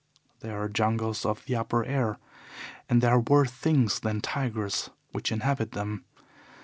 There are jungles of the upper air, and there are worse things than tigers which inhabit them.